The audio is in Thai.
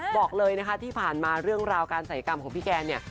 บอกเลยนะคะที่ผ่านมาเรื่องราวการศัยกรรมของพี่แกเนี่ย